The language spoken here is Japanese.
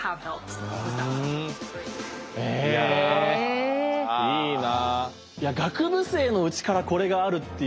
えいいな。